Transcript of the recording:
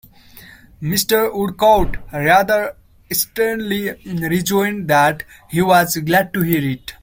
Mr. Woodcourt rather sternly rejoined that he was glad to hear it.